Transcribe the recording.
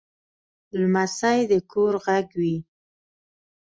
لمسی د کور غږ وي.